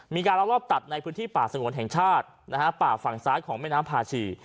มีการลักลอบตัดในพื้นที่ป่าสงวนแห่งชาติป่าฝั่งซ้ายของแม่น้ำพาชี